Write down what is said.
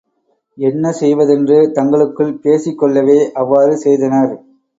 என்ன செய்வதென்று தங்களுக்குள் பேசிக் கொள்ளவே அவ்வாறு செய்தனர்.